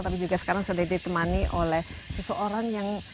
tapi juga sekarang sudah ditemani oleh seseorang yang